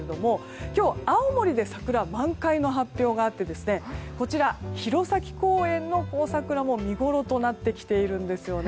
今日、青森で桜満開の発表があって弘前公園の桜も見ごろとなってきているんです。